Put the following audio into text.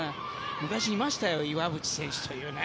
昔いましたよ、岩渕選手という。